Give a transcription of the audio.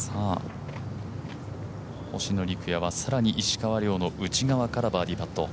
星野陸也は更に石川遼の内側からバーディーパット。